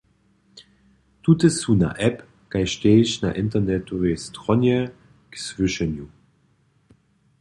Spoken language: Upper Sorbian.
Tute su na app kaž tež na internetowej stronje k słyšenju.